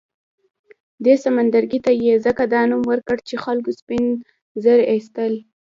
دې سمندرګي ته یې ځکه دا نوم ورکړ چې خلکو سپین زر اېستل.